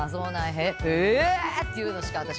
へぇ！って言うのしか私は。